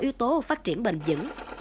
yếu tố phát triển bền dững